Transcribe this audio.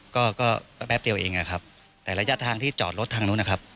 ก็ก็แป๊บเดียวเองอะครับแต่ระยะทางที่จอดรถทางนู้นนะครับ